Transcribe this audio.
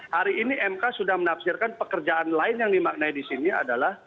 hari ini mk sudah menafsirkan pekerjaan lain yang dimaknai di sini adalah